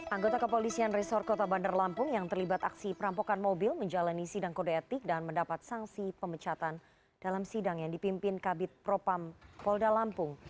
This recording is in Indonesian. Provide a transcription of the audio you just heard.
anggota kepolisian resor kota bandar lampung yang terlibat aksi perampokan mobil menjalani sidang kode etik dan mendapat sanksi pemecatan dalam sidang yang dipimpin kabit propam polda lampung